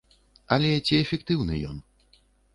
Але ці эфектыўны ён?